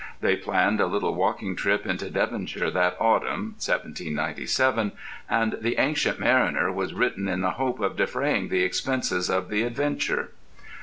They planned a little walking trip into Devonshire that autumn (1797) and "The Ancient Mariner" was written in the hope of defraying the expenses of the adventure.